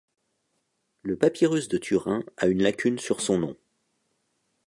Le papyrus de Turin a une lacune sur son nom.